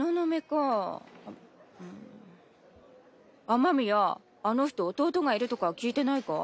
雨宮あの人弟がいるとか聞いてないか？